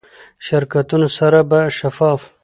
شرکتونو سره به شفاف،